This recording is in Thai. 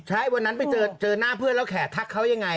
ใช่วันนั้นไปเจอหน้าเพื่อนแล้วแขกทักเขายังไง